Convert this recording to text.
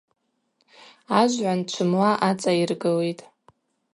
Ажвгӏванд чвымла ацӏайыргылитӏ.